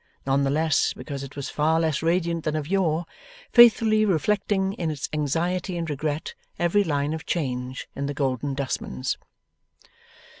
None the less because it was far less radiant than of yore, faithfully reflecting in its anxiety and regret every line of change in the Golden Dustman's.